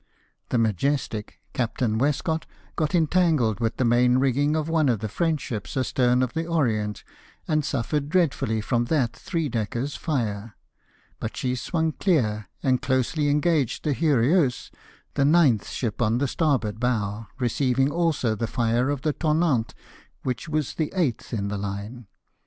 The Mcijestic, Captam Westcott, got entangled with the main rigging of one of the French ships astern of the Orient, and suffered dreadfully from that three decker's fire ; but she swung clear, and closely engaging the Heureux, the ninth ship on the starboard bow, received also the fire of the Tonnant, which was the eighth in the line.